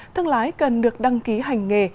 thương lái cần được đăng ký hành nghề